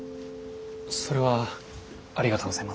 それはありがとうございます。